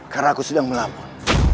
karena aku sedang melamun